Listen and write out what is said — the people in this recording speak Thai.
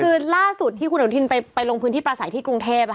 คือล่าสุดที่คุณอนุทินไปลงพื้นที่ประสัยที่กรุงเทพ